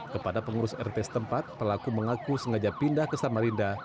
kepada pengurus rt setempat pelaku mengaku sengaja pindah ke samarinda